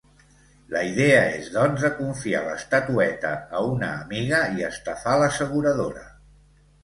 La idea és doncs de confiar l'estatueta a una amiga i estafar l'asseguradora.